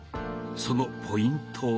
そのポイントは？